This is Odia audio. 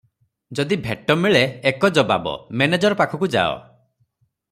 ଯଦି ଭେଟ ମିଳେ, ଏକ ଜବାବ, "ମେନେଜର ପାଖକୁ ଯାଅ ।"